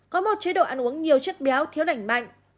có một chế độ ăn uống nhiều chất béo thiếu đẩy mạnh